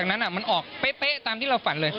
ดังนั้นมันออกเป๊ะตามที่เราฝันเลย